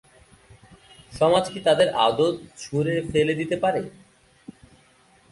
সমাজ কি তাদের আদৌ ছুঁড়ে ফেলে দিতে পারে!